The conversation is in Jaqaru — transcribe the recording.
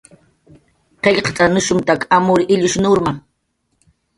Qillqt'anushumtakiq amur illush nurma